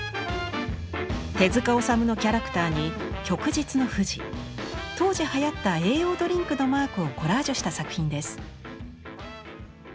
手治虫のキャラクターに旭日の富士当時はやった栄養ドリンクのマークをコラージュした作品です。